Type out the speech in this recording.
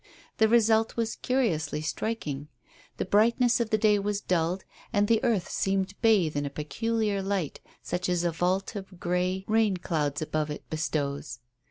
The result was curiously striking. The brightness of the day was dulled, and the earth seemed bathed in a peculiar light such as a vault of grey rain clouds above it bestows.